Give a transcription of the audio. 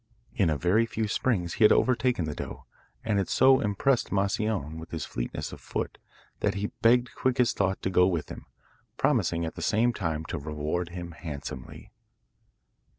In a very few springs he had overtaken the doe, and had so impressed Moscione with his fleetness of foot that he begged Quick as Thought to go with him, promising at the same time to reward him handsomely.